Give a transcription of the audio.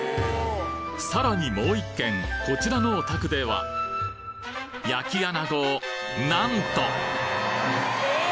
さらにもう一軒こちらのお宅では焼き穴子をなんとえ！？